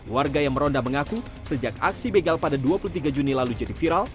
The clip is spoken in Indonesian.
warga yang meronda mengaku sejak aksi begal pada dua puluh tiga juni lalu jadi viral